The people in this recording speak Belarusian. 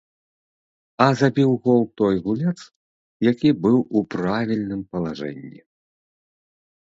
А забіў гол той гулец, які быў у правільным палажэнні.